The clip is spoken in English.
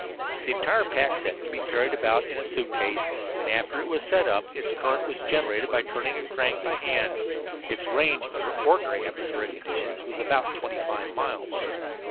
The entire pack set could be carried about in a suitcase, and after it was set up its current was generated by turning a crank by hand. Its range, under ordinary atmospheric conditions, was about twenty five miles.